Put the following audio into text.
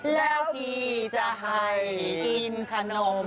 แล้วพี่จะให้กินขนม